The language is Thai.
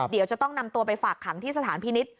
เดี๋ยวจะต้องนำตัวไปฝากขังที่สถานพินิษฐ